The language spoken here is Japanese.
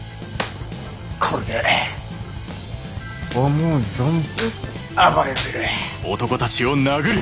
これで思う存分暴れられる。